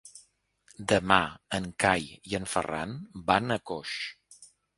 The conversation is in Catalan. Demà en Cai i en Ferran van a Coix.